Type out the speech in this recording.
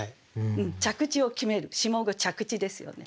着地を決める下五着地ですよね。